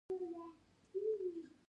ادعا یې کولای شوای چې اصلاحاتو مخه نیسي.